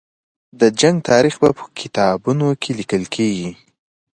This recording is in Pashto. د جنګ تاریخ به په کتابونو کې لیکل کېږي.